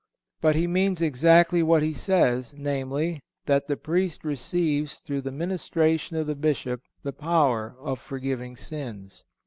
But he means exactly what he says, viz: That the Priest receives through the ministration of the Bishop the power of forgiving sins.